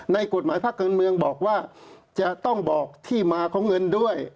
ในกฎหมายภาคการเมืองบอกว่าจะต้องบอกที่มาของเงินด้วย